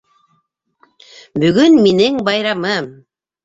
Бөгөн минең байрамым!